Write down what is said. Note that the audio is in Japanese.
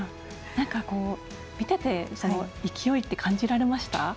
見てて、勢いって感じられました？